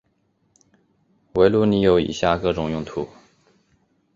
围炉里有以下各种用途。